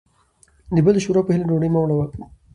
دبل دشوروا په هیله ډوډۍ مه وړه وه